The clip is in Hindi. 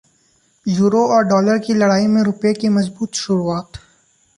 यूरो और डॉलर की लड़ाई में रुपये की मजबूत शुरुआत